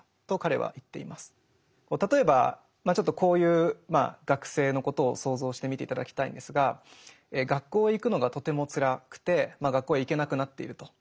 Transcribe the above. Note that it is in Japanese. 例えばちょっとこういう学生のことを想像してみて頂きたいんですが学校へ行くのがとてもつらくてまあ学校へ行けなくなっていると。